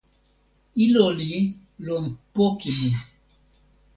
ilo li lon poki ni.